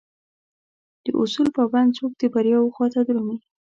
داصول پابند څوک دبریاوخواته درومي